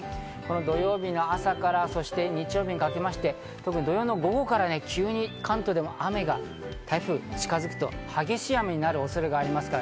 土曜日の朝からそして日曜日にかけまして、特に土曜の午後から急に関東でも雨が台風が近づくと激しい雨になる恐れがあります。